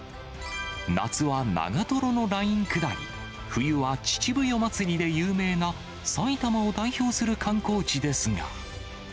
夏は長瀞のライン下り、冬は秩父夜祭で有名な埼玉を代表する観光地ですが。